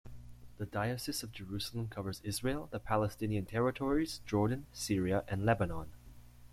The Diocese of Jerusalem covers Israel, the Palestinian territories, Jordan, Syria and Lebanon.